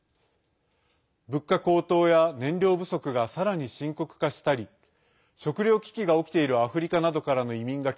物価高騰や燃料不足がさらに深刻化したり食糧危機が起きているアフリカなどからの移民が